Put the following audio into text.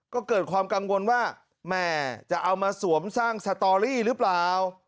ก็เกิดความกังวลว่าแม่จะเอามาสวมสร้างสตอรี่หรือเปล่า